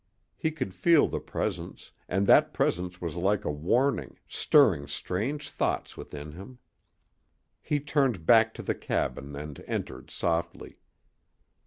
He could feel the presence, and that presence was like a warning, stirring strange thoughts within him. He turned back to the cabin and entered softly.